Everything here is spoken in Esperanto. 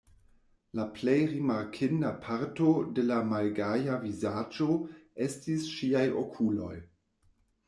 La plej rimarkinda parto de la malgaja vizaĝo estis ŝiaj okuloj.